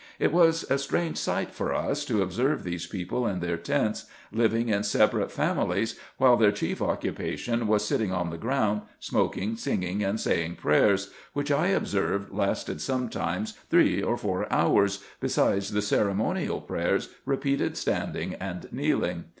It was a strange sight for us, to observe these people in their tents, living in separate families, while their chief occupation was sitting on the ground, smoking, singing, and 8 RESEARCHES AND OPERATIONS saying prayers, which I observed lasted sometimes three or four hours, besides the ceremonial prayers, repeated standing and kneel ing.